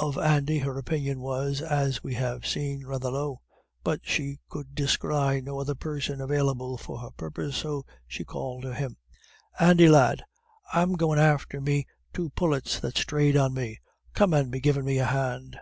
Of Andy her opinion was, as we have seen, rather low, but she could descry no other person available for her purpose, so she called to him: "Andy, lad, I'm goin' after me two pullets that's strayed on me; come and be givin' me a hand."